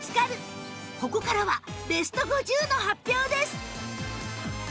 ここからはベスト５０の発表です